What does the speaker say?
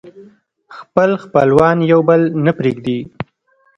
خپل خپلوان يو بل نه پرېږدي